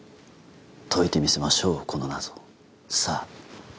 解いてみせましょうこの謎を。さぁ。